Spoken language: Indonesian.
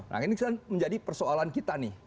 nah ini menjadi persoalan kita nih